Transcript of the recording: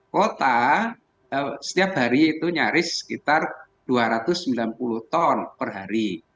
kota setiap hari itu nyaris sekitar dua ratus sembilan puluh ton per hari